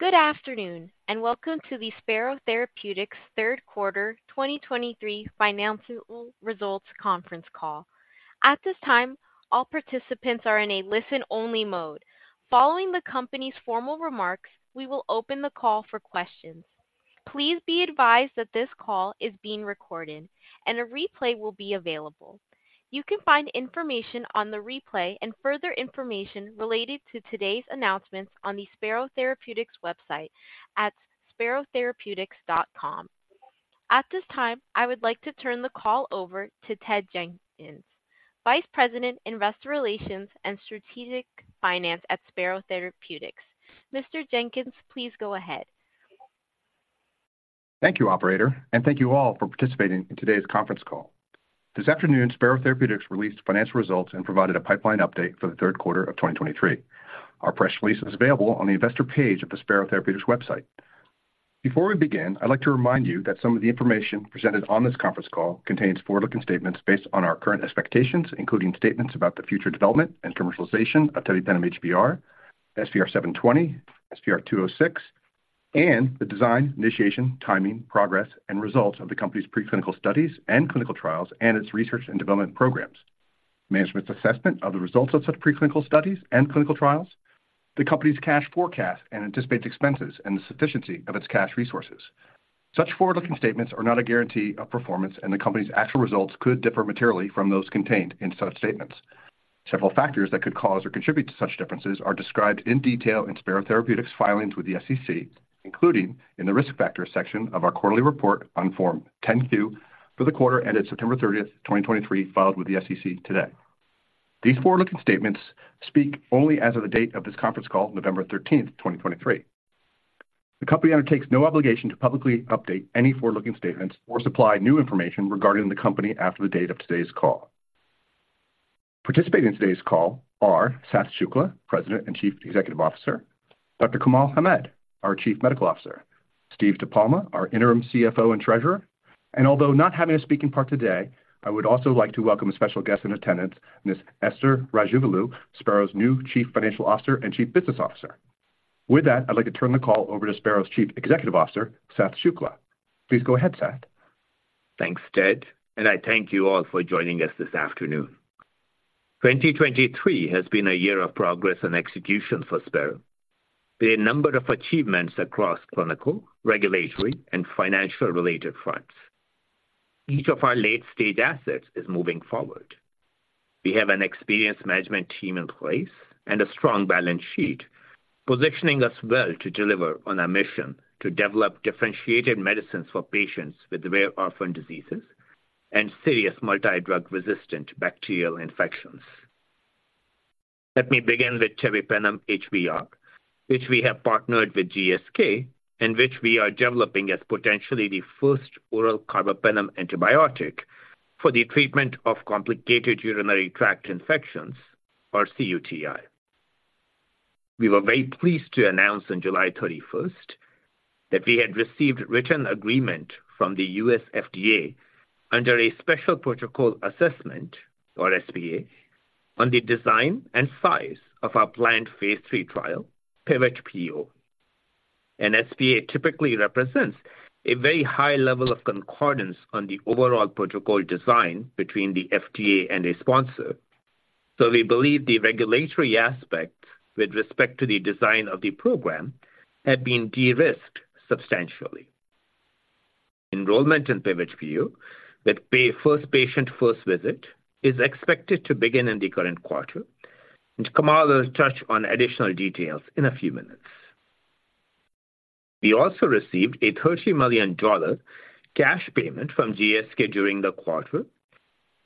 Good afternoon, and welcome to the Spero Therapeutics third quarter 2023 financial results conference call. At this time, all participants are in a listen-only mode. Following the company's formal remarks, we will open the call for questions. Please be advised that this call is being recorded, and a replay will be available. You can find information on the replay and further information related to today's announcements on the Spero Therapeutics website at sperotherapeutics.com. At this time, I would like to turn the call over to Ted Jenkins, Vice President, Investor Relations and Strategic Finance at Spero Therapeutics. Mr. Jenkins, please go ahead. Thank you, operator, and thank you all for participating in today's conference call. This afternoon, Spero Therapeutics released financial results and provided a pipeline update for the third quarter of 2023. Our press release is available on the investor page of the Spero Therapeutics website. Before we begin, I'd like to remind you that some of the information presented on this conference call contains forward-looking statements based on our current expectations, including statements about the future development and commercialization of tebipenem HBr, SPR720, SPR206, and the design, initiation, timing, progress, and results of the company's preclinical studies and clinical trials and its research and development programs. Management's assessment of the results of such preclinical studies and clinical trials, the company's cash forecast, and anticipates expenses and the sufficiency of its cash resources. Such forward-looking statements are not a guarantee of performance, and the company's actual results could differ materially from those contained in such statements. Several factors that could cause or contribute to such differences are described in detail in Spero Therapeutics' filings with the SEC, including in the Risk Factors section of our quarterly report on Form 10-Q for the quarter ended September 30, 2023, filed with the SEC today. These forward-looking statements speak only as of the date of this conference call, November 13, 2023. The company undertakes no obligation to publicly update any forward-looking statements or supply new information regarding the Company after the date of today's call. Participating in today's call are Sath Shukla, President and Chief Executive Officer; Dr. Kamal Hamed, our Chief Medical Officer; Steve DiPalma, our interim CFO and Treasurer, although not having a speaking part today, I would also like to welcome a special guest in attendance, Ms. Esther Rajavelu, Spero's new Chief Financial Officer and Chief Business Officer. With that, I'd like to turn the call over to Spero's Chief Executive Officer, Sath Shukla. Please go ahead, Sath. Thanks, Ted, and I thank you all for joining us this afternoon. 2023 has been a year of progress and execution for Spero. There are a number of achievements across clinical, regulatory, and financial-related fronts. Each of our late-stage assets is moving forward. We have an experienced management team in place and a strong balance sheet, positioning us well to deliver on our mission to develop differentiated medicines for patients with rare orphan diseases and serious multidrug-resistant bacterial infections. Let me begin with tebipenem HBr, which we have partnered with GSK, and which we are developing as potentially the first oral carbapenem antibiotic for the treatment of complicated urinary tract infections, or cUTI. We were very pleased to announce on July 31st that we had received written agreement from the U.S. FDA under a special protocol assessment, or SPA, on the design and size of our planned phase III trial, PIVOT-PO. An SPA typically represents a very high level of concordance on the overall protocol design between the FDA and a sponsor. So we believe the regulatory aspect with respect to the design of the program has been de-risked substantially. Enrollment in PIVOT-PO, with the first patient's first visit, is expected to begin in the current quarter, and Kamal will touch on additional details in a few minutes. We also received a $30 million cash payment from GSK during the quarter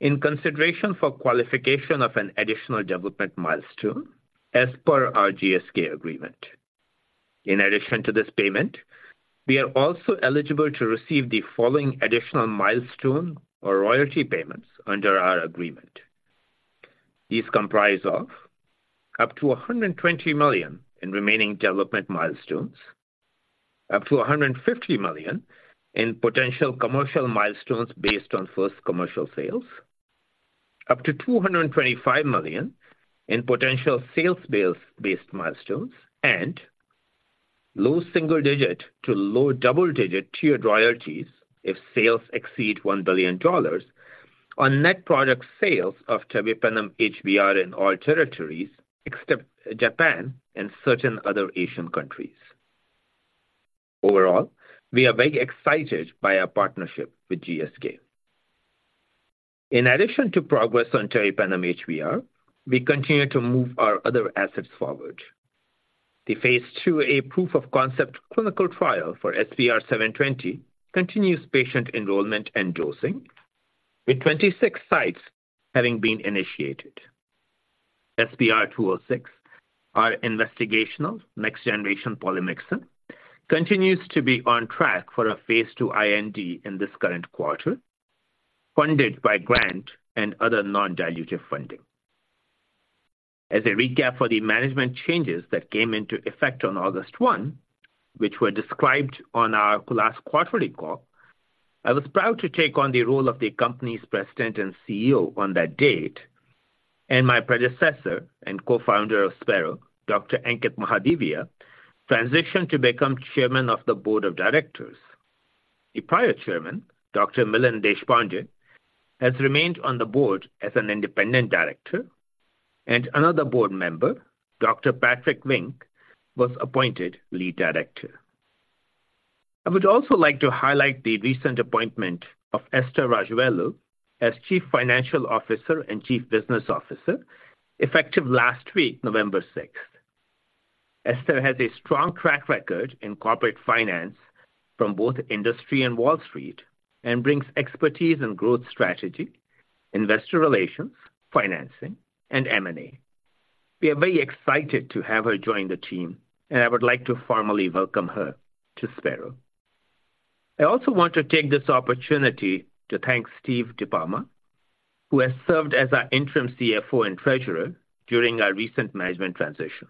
in consideration for the qualification of an additional development milestone as per our GSK agreement. In addition to this payment, we are also eligible to receive the following additional milestone or royalty payments under our agreement. These comprise of up to $120 million in remaining development milestones, up to $150 million in potential commercial milestones based on first commercial sales, up to $225 million in potential sales-based milestones, and low single-digit to low double-digit tiered royalties if sales exceed $1 billion on net product sales of tebipenem HBr in all territories except Japan and certain other Asian countries. Overall, we are very excited by our partnership with GSK. In addition to progress on tebipenem HBr, we continue to move our other assets forward. The phase II-A proof-of-concept clinical trial for SPR720 continues patient enrollment and dosing, with 26 sites having been initiated. SPR206, our investigational next-generation polymyxin, continues to be on track for a phase II IND in this current quarter, funded by a grant and other non-dilutive funding. As a recap for the management changes that came into effect on August 1, which were described on our last quarterly call, I was proud to take on the role of the company's President and CEO on that date, and my predecessor and co-founder of Spero, Dr. Ankit Mahadevia, transitioned to become Chairman of the Board of Directors. The prior chairman, Dr. Milind Deshpande, has remained on the board as an independent director, and another board member, Dr. Patrick Vink, was appointed Lead Director. I would also like to highlight the recent appointment of Esther Rajavelu as Chief Financial Officer and Chief Business Officer, effective last week, November 6. Esther has a strong track record in corporate finance from both industry and Wall Street and brings expertise in growth strategy, investor relations, financing, and M&A. We are very excited to have her join the team, and I would like to formally welcome her to Spero. I also want to take this opportunity to thank Steve DiPalma, who has served as our Interim CFO and treasurer during our recent management transition.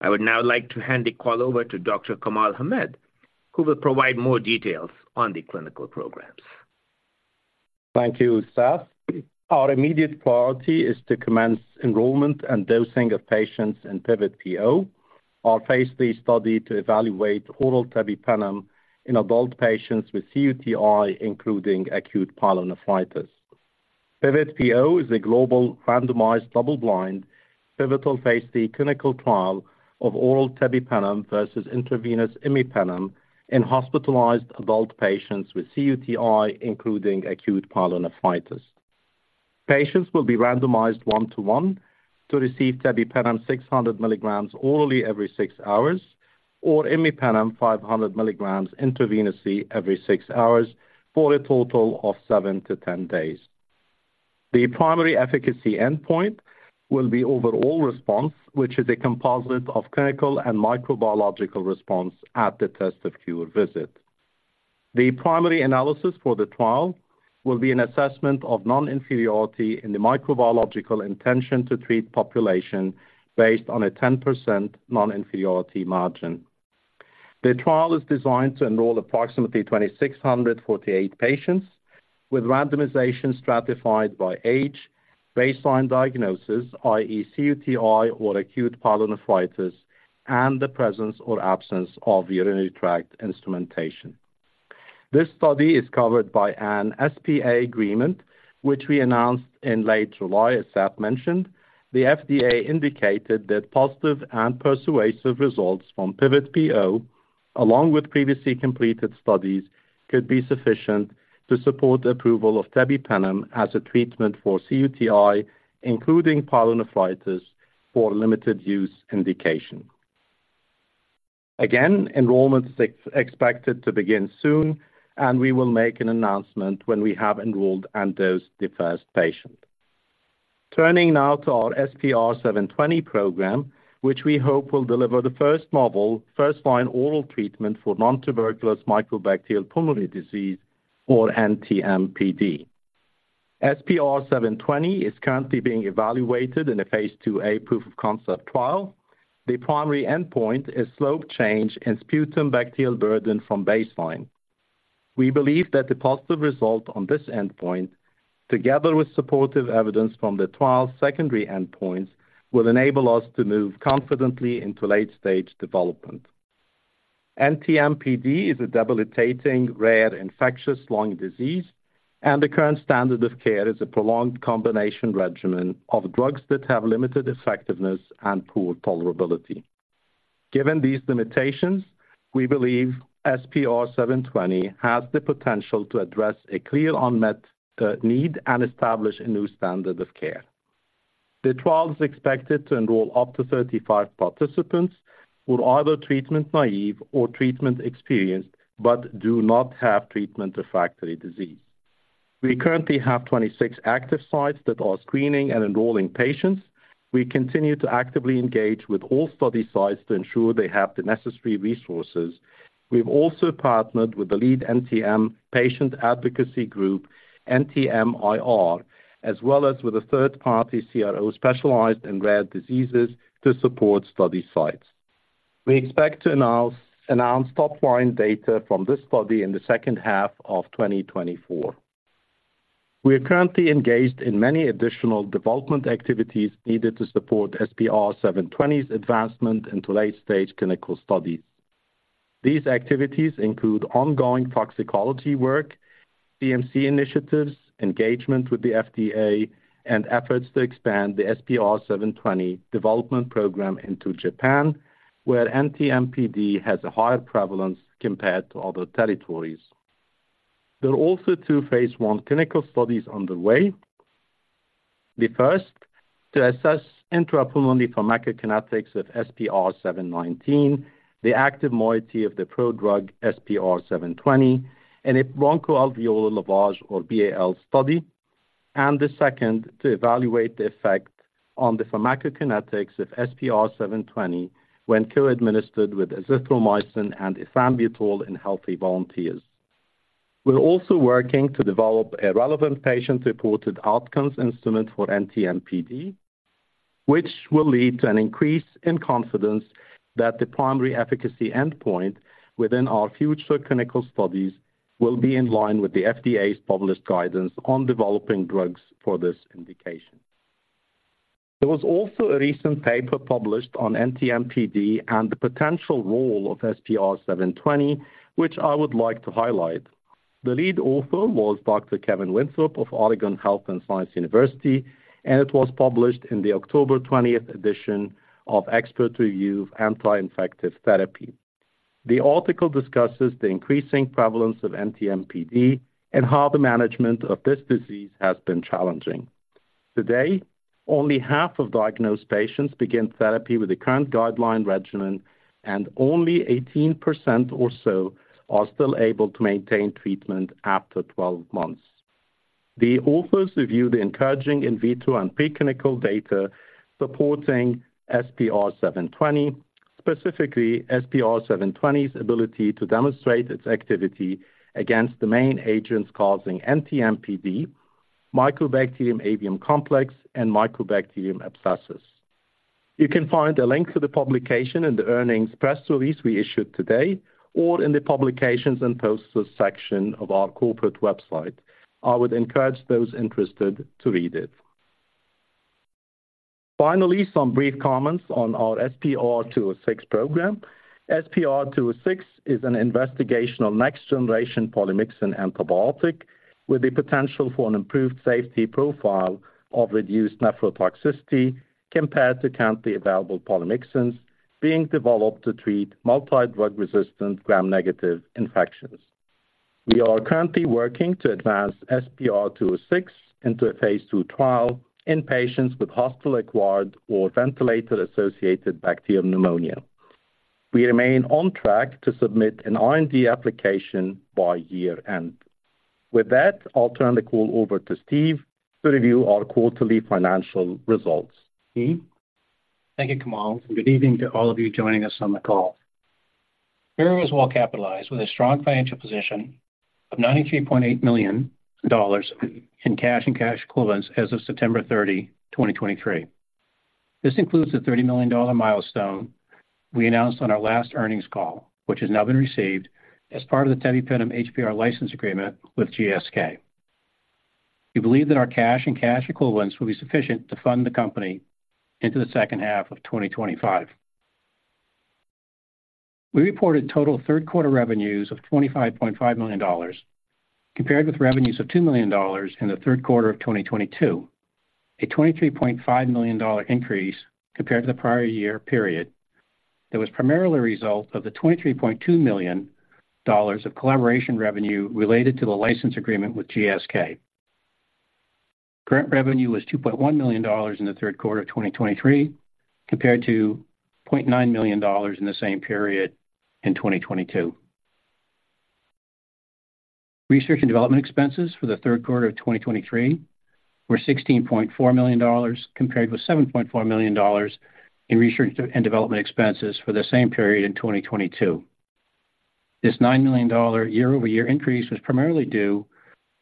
I would now like to hand the call over to Dr. Kamal Hamed, who will provide more details on the clinical programs. Thank you, Sath. Our immediate priority is to commence enrollment and dosing of patients in PIVOT-PO, our phase III study to evaluate oral tebipenem in adult patients with cUTI, including acute pyelonephritis. PIVOT-PO is a global randomized, double-blind, pivotal phase III clinical trial of oral tebipenem versus intravenous imipenem in hospitalized adult patients with cUTI, including acute pyelonephritis. Patients will be randomized 1:1 to receive tebipenem 600 milligrams orally every six hours or imipenem 500 milligrams intravenously every six hours, for a total of seven to 10 days. The primary efficacy endpoint will be overall response, which is a composite of clinical and microbiological response at the test-of-cure visit. The primary analysis for the trial will be an assessment of non-inferiority in the microbiological intention-to-treat population, based on a 10% non-inferiority margin. The trial is designed to enroll approximately 2,648 patients, with randomization stratified by age, baseline diagnosis i.e., cUTI or acute pyelonephritis, and the presence or absence of urinary tract instrumentation. This study is covered by an SPA agreement, which we announced in late July, as Sath mentioned. The FDA indicated that positive and persuasive results from PIVOT-PO, along with previously completed studies, could be sufficient to support approval of tebipenem as a treatment for cUTI, including pyelonephritis, for limited use indication. Again, enrollment is expected to begin soon, and we will make an announcement when we have enrolled and dosed the first patient. Turning now to our SPR720 program, which we hope will deliver the first novel, first-line oral treatment for nontuberculous mycobacterial pulmonary disease, or NTM-PD. SPR720 is currently being evaluated in a phase II-A proof-of-concept trial. The primary endpoint is slope change in sputum bacterial burden from baseline. We believe that the positive result on this endpoint, together with supportive evidence from the trial's secondary endpoints, will enable us to move confidently into late-stage development. NTM-PD is a debilitating, rare, infectious lung disease, and the current standard of care is a prolonged combination regimen of drugs that have limited effectiveness and poor tolerability. Given these limitations, we believe SPR720 has the potential to address a clear unmet need and establish a new standard of care. The trial is expected to enroll up to 35 participants who are either treatment naive or treatment experienced but do not have treatment-refractory disease. We currently have 26 active sites that are screening and enrolling patients. We continue to actively engage with all study sites to ensure they have the necessary resources. We've also partnered with the lead NTM patient advocacy group, NTMir, as well as with a third-party CRO specialized in rare diseases to support study sites. We expect to announce top-line data from this study in the second half of 2024. We are currently engaged in many additional development activities needed to support SPR720's advancement into late-stage clinical studies. These activities include ongoing toxicology work, CMC initiatives, engagement with the FDA, and efforts to expand the SPR720 development program into Japan, where NTM-PD has a higher prevalence compared to other territories. There are also two phase I clinical studies underway. The first, to assess intrapulmonary pharmacokinetics of SPR719, the active moiety of the prodrug SPR720, in a bronchoalveolar lavage, or BAL, study, and the second, to evaluate the effect on the pharmacokinetics of SPR720 when co-administered with azithromycin and ethambutol in healthy volunteers. We're also working to develop a relevant patient-reported outcomes instrument for NTM-PD which will lead to an increase in confidence that the primary efficacy endpoint within our future clinical studies will be in line with the FDA's published guidance on developing drugs for this indication. There was also a recent paper published on NTM-PD and the potential role of SPR720, which I would like to highlight. The lead author was Dr. Kevin Winthrop of Oregon Health and Science University, and it was published in the October 20 edition of Expert Review of Anti-Infective Therapy. The article discusses the increasing prevalence of NTM-PD and how the management of this disease has been challenging. Today, only half of diagnosed patients begin therapy with the current guideline regimen, and only 18% or so are still able to maintain treatment after 12 months. The authors review the encouraging in vitro and preclinical data supporting SPR720, specifically SPR720's ability to demonstrate its activity against the main agents causing NTM-PD, Mycobacterium avium complex, and Mycobacterium abscessus. You can find a link to the publication in the earnings press release we issued today or in the Publications and Posters section of our corporate website. I would encourage those interested to read it. Finally, some brief comments on our SPR206 program. SPR206 is an investigational next-generation polymyxin antibiotic with the potential for an improved safety profile of reduced nephrotoxicity compared to currently available polymyxins, being developed to treat multidrug-resistant Gram-negative infections. We are currently working to advance SPR206 into a phase II trial in patients with hospital-acquired or ventilator-associated bacterial pneumonia. We remain on track to submit an IND application by year-end. With that, I'll turn the call over to Steve to review our quarterly financial results. Steve? Thank you, Kamal, and good evening to all of you joining us on the call. Spero is well capitalized, with a strong financial position of $93.8 million in cash and cash equivalents as of September 30, 2023. This includes the $30 million milestone we announced on our last earnings call, which has now been received as part of the tebipenem HBr license agreement with GSK. We believe that our cash and cash equivalents will be sufficient to fund the company into the second half of 2025. We reported total third quarter revenues of $25.5 million, compared with revenues of $2 million in the third quarter of 2022, a $23.5 million increase compared to the prior year period. That was primarily a result of the $23.2 million of collaboration revenue related to the license agreement with GSK. Grant revenue was $2.1 million in the third quarter of 2023, compared to $0.9 million in the same period in 2022. Research and development expenses for the third quarter of 2023 were $16.4 million, compared with $7.4 million in research and development expenses for the same period in 2022. This $9 million year-over-year increase was primarily due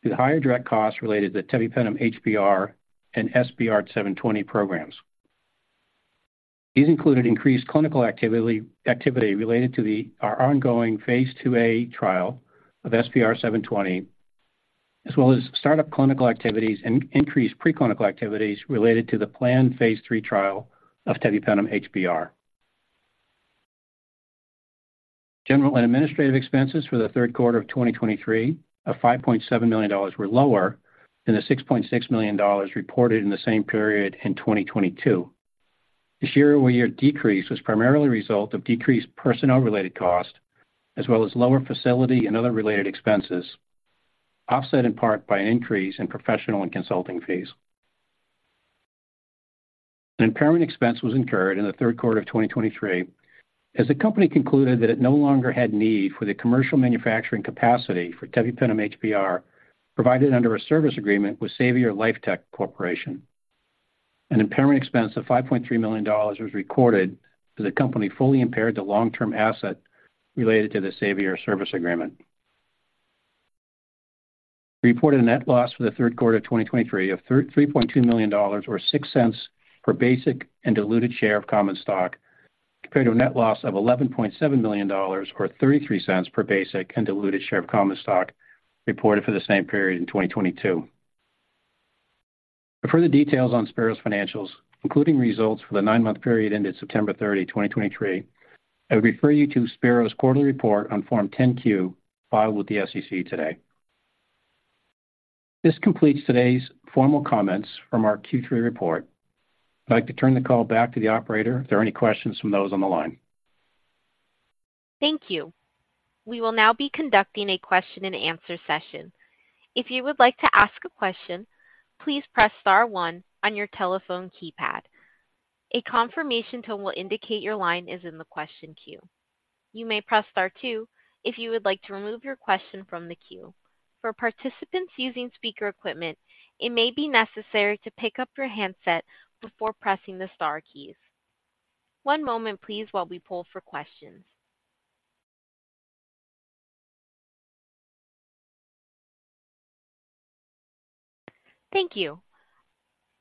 to the higher direct costs related to the tebipenem HBr and SPR720 programs. These included increased clinical activity, activity related to our ongoing phase II-A trial of SPR720, as well as startup clinical activities and increased preclinical activities related to the planned phase III trial of tebipenem HBr. General and administrative expenses for the third quarter of 2023, of $5.7 million, were lower than the $6.6 million reported in the same period in 2022. This year-over-year decrease was primarily a result of decreased personnel-related costs, as well as lower facility and other related expenses, offset in part by an increase in professional and consulting fees. An impairment expense was incurred in the third quarter of 2023 as the company concluded that it no longer had need for the commercial manufacturing capacity for tebipenem HBr, provided under a service agreement with Savior Lifetec Corporation. An impairment expense of $5.3 million was recorded for the company fully impaired the long-term asset related to the Savior service agreement. Reported net loss for the third quarter of 2023 of $33.2 million, or $0.06 per basic and diluted share of common stock, compared to a net loss of $11.7 million, or $0.33 per basic and diluted share of common stock, reported for the same period in 2022. For further details on Spero's financials, including results for the nine-month period ended September 30, 2023, I would refer you to Spero's quarterly report on Form 10-Q, filed with the SEC today. This completes today's formal comments from our Q3 report. I'd like to turn the call back to the operator if there are any questions from those on the line. Thank you. We will now be conducting a question-and-answer session. If you would like to ask a question, please press star one on your telephone keypad. A confirmation tone will indicate your line is in the question queue. You may press star two if you would like to remove your question from the queue. For participants using speaker equipment, it may be necessary to pick up your handset before pressing the star keys. One moment please, while we poll for questions. Thank you.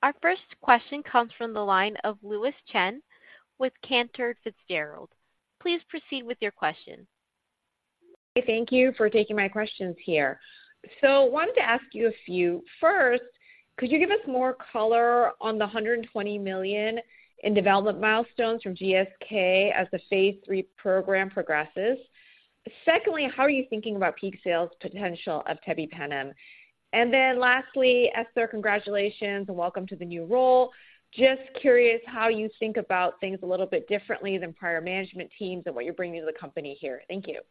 Our first question comes from the line of Louise Chen with Cantor Fitzgerald. Please proceed with your question. Thank you for taking my questions here. Wanted to ask you a few. First, could you give us more color on the $120 million in development milestones from GSK as the phase III program progresses? Secondly, how are you thinking about peak sales potential of tebipenem? And then lastly, Esther, congratulations and welcome to the new role. Just curious how you think about things a little bit differently than prior management teams and what you're bringing to the company here. Thank you.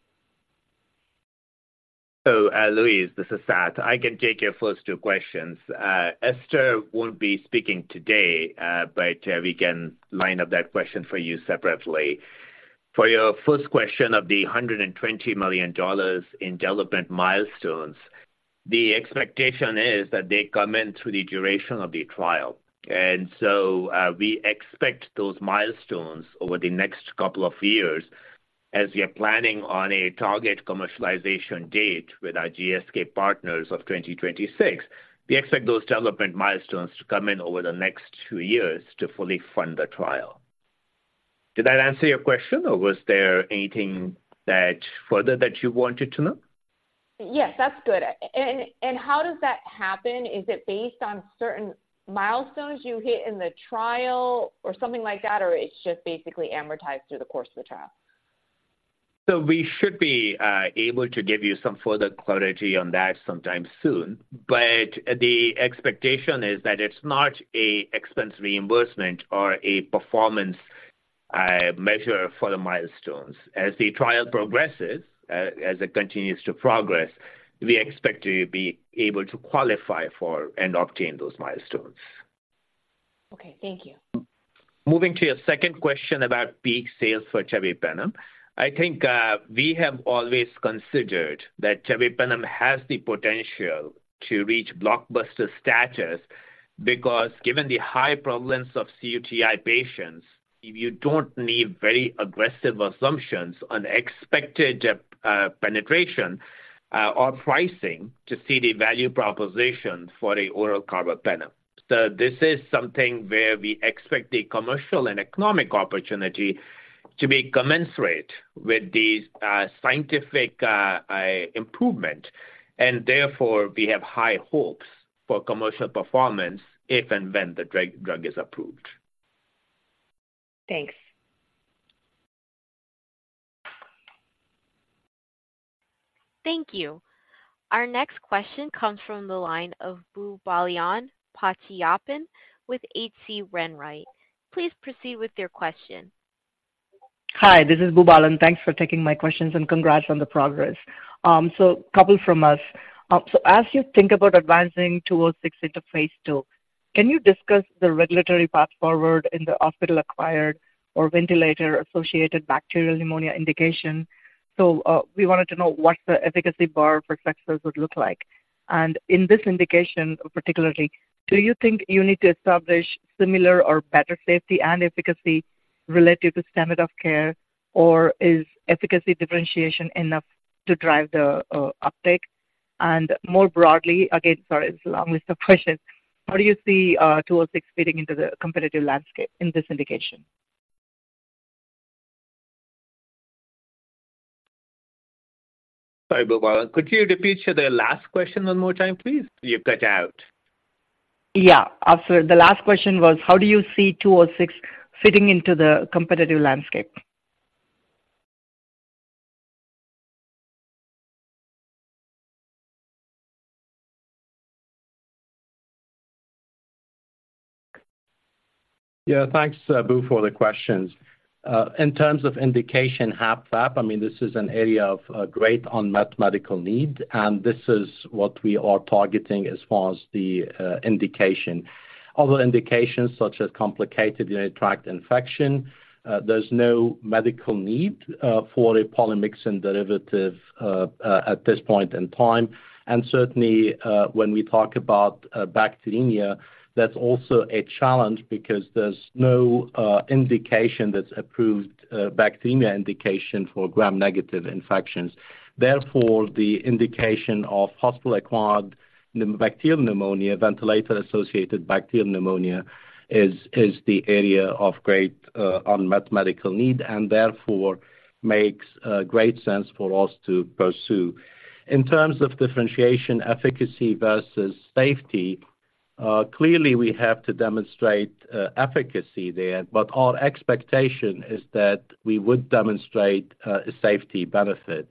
So, Louise, this is Sath. I can take your first two questions. Esther won't be speaking today, but we can line up that question for you separately. For your first question of the $120 million in development milestones, the expectation is that they come in through the duration of the trial, and so, we expect those milestones over the next couple of years as we are planning on a target commercialization date with our GSK partners of 2026. We expect those development milestones to come in over the next two years to fully fund the trial. Did that answer your question, or was there anything that further that you wanted to know? Yes, that's good. And how does that happen? Is it based on certain milestones you hit in the trial or something like that, or it's just basically amortized through the course of the trial? So we should be able to give you some further clarity on that sometime soon, but the expectation is that it's not an expense reimbursement or a performance measure for the milestones. As the trial progresses, as it continues to progress, we expect to be able to qualify for and obtain those milestones. Okay, thank you. Moving to your second question about peak sales for tebipenem, I think we have always considered that tebipenem has the potential to reach blockbuster status because given the high prevalence of cUTI patients, you don't need very aggressive assumptions on expected penetration or pricing to see the value proposition for the oral carbapenem. So this is something where we expect the commercial and economic opportunity to be commensurate with these scientific improvements, and therefore, we have high hopes for commercial performance if and when the drug is approved. Thanks. Thank you. Our next question comes from the line of Boobalan Pachaiyappan with H.C. Wainwright & Co. Please proceed with your question. Hi, this is Boobalan. Thanks for taking my questions, and congrats on the progress. So a coupleof us. So as you think about advancing 206 into phase II, can you discuss the regulatory path forward in the hospital-acquired or ventilator-associated bacterial pneumonia indication? So, we wanted to know what the efficacy bar for success would look like. And in this indication, particularly, do you think you need to establish similar or better safety and efficacy related to standard of care, or is efficacy differentiation enough to drive the uptake? And more broadly, again, sorry, it's a long list of questions. How do you see 206 fitting into the competitive landscape in this indication? Sorry, Boobalan, could you repeat the last question one more time, please? You cut out. Yeah. The last question was, how do you see 206 fitting into the competitive landscape? Yeah, thanks, Boo, for the questions. In terms of indication, HABP/VABP, I mean, this is an area of great unmet medical need, and this is what we are targeting as far as the indication. Other indications, such as complicated urinary tract infection, there's no medical need for a polymyxin derivative at this point in time. And certainly, when we talk about bacteremia, that's also a challenge because there's no indication that's approved, a bacteremia indication for Gram-negative infections. Therefore, the indication of hospital-acquired bacterial pneumonia, ventilator-associated bacterial pneumonia, is the area of great unmet medical need and therefore makes great sense for us to pursue. In terms of differentiation, efficacy versus safety, clearly, we have to demonstrate efficacy there, but our expectation is that we would demonstrate a safety benefit.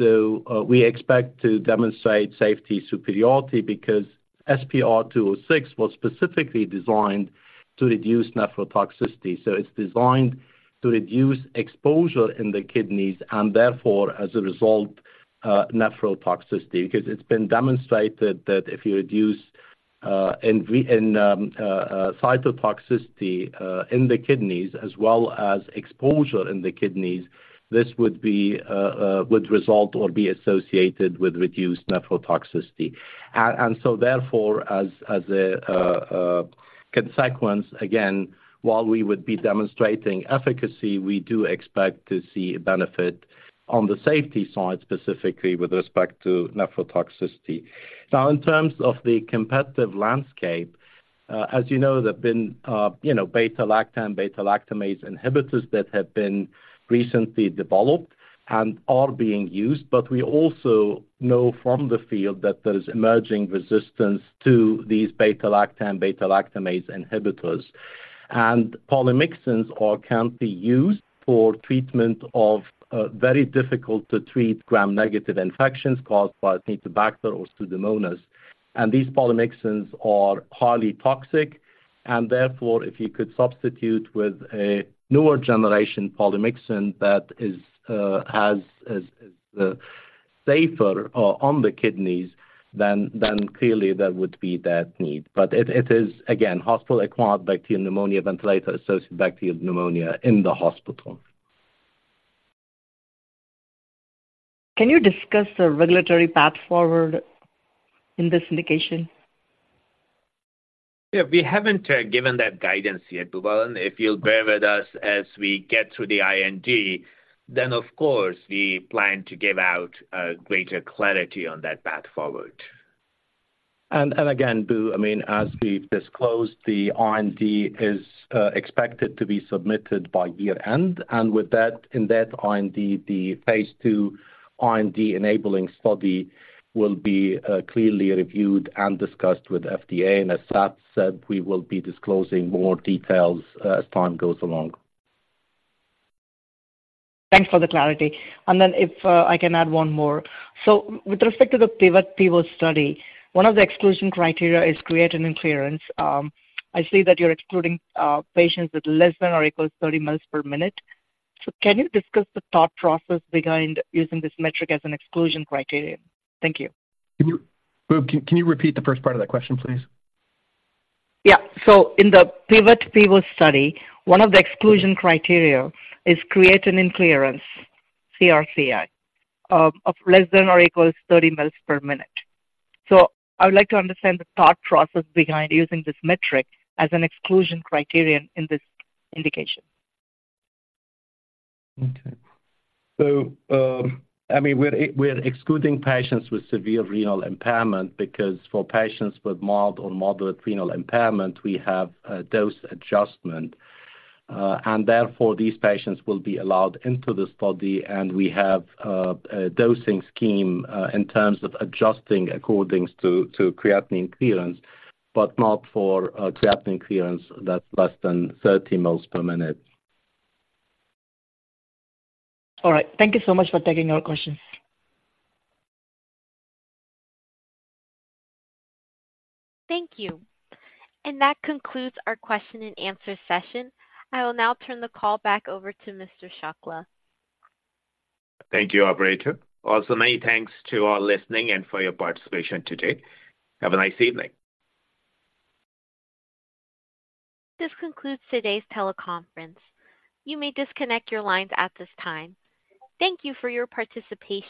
So, we expect to demonstrate safety superiority because SPR206 was specifically designed to reduce nephrotoxicity. So it's designed to reduce exposure in the kidneys and therefore, as a result, nephrotoxicity. Because it's been demonstrated that if you reduce cytotoxicity in the kidneys as well as exposure in the kidneys, this would result or be associated with reduced nephrotoxicity. And so, therefore, as a consequence, again, while we would be demonstrating efficacy, we do expect to see a benefit on the safety side, specifically with respect to nephrotoxicity. Now, in terms of the competitive landscape, as you know, there have been, you know, beta-lactam, beta-lactamase inhibitors that have been recently developed and are being used. But we also know from the field that there is emerging resistance to these beta-lactam, beta-lactamase inhibitors. And polymyxins are, can be used for treatment of very difficult to treat Gram-negative infections caused by Acinetobacter or Pseudomonas. And these polymyxins are highly toxic, and therefore, if you could substitute with a newer generation polymyxin that is, has, is, is, safer on the kidneys, then, then clearly there would be that need. But it, it is, again, hospital-acquired bacterial pneumonia, ventilator-associated bacterial pneumonia in the hospital. Can you discuss the regulatory path forward in this indication? Yeah, we haven't given that guidance yet, Boobalan. If you'll bear with us as we get through the IND, then of course, we plan to give out greater clarity on that path forward. And again, Boo, I mean, as we've disclosed, the IND is expected to be submitted by year-end, and with that, in that IND, the phase II IND enabling study will be clearly reviewed and discussed with FDA. And as Sat said, we will be disclosing more details as time goes along. Thanks for the clarity. Then if I can add one more. So with respect to the PIVOT-PO pivotal study, one of the exclusion criteria is creatinine clearance. I see that you're excluding patients with less than or equal to 30 mL/min. So can you discuss the thought process behind using this metric as an exclusion criterion? Thank you. Can you repeat the first part of that question, please? Yeah. So in the PIVOT-PO pivotal study, one of the exclusion criteria is creatinine clearance, CrCl, of less than or equal to 30 mL per minute. So I would like to understand the thought process behind using this metric as an exclusion criterion in this indication. Okay. So, I mean, we're excluding patients with severe renal impairment because for patients with mild or moderate renal impairment, we have a dose adjustment, and therefore, these patients will be allowed into the study, and we have a dosing scheme in terms of adjusting according to creatinine clearance, but not for creatinine clearance that's less than 30 mL/min. All right. Thank you so much for taking our questions. Thank you. That concludes our question-and-answer session. I will now turn the call back over to Mr. Shukla. Thank you, operator. Also, many thanks to all listening and for your participation today. Have a nice evening. This concludes today's teleconference. You may disconnect your lines at this time. Thank you for your participation.